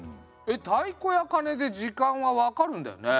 太鼓や鐘で時間は分かるんだよね。